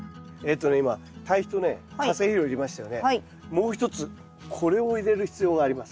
もう一つこれを入れる必要があります。